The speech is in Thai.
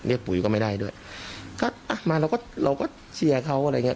เรียกปุ๋ยก็ไม่ได้ด้วยก็มาเราก็เชียร์เขาอะไรอย่างเงี้ย